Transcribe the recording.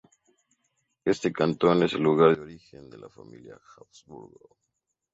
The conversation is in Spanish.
Este cantón es el lugar de origen de la familia Habsburgo.